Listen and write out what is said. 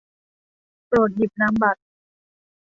โปรดหยิบนามบัตร